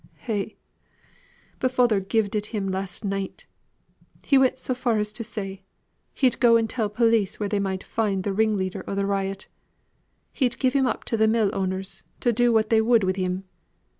Eh! but father giv'd it him last night! He went so far as to say, he'd go and tell police where they might find th' ringleader o' th' riot; he'd give him up to th' mill owners to do what they would wi' him.